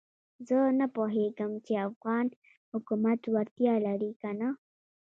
زه نه پوهېږم چې افغان حکومت وړتیا لري کنه.